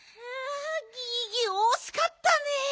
ギギおしかったねえ。